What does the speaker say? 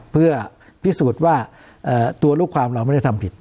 เพื่อพิสูจน์ว่าตัวลูกความเราไม่ได้ทำผิด